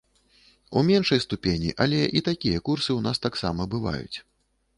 У меншай ступені, але і такія курсы ў нас таксама бываюць.